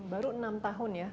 baru enam tahun ya